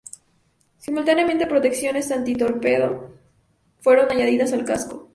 Simultáneamente protecciones anti-torpedo fueron añadidas al casco.